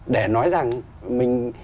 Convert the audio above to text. để nói rằng mình